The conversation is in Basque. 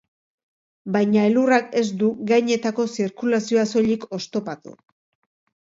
Baina elurrak ez du gainetako zirkulazioa soilik oztopatu.